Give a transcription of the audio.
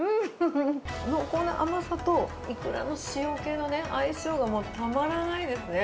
濃厚な甘さとイクラの塩気の相性がたまらないですね。